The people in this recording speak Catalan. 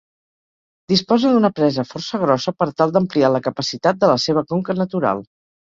Disposa d'una presa força grossa per tal d'ampliar la capacitat de la seva conca natural.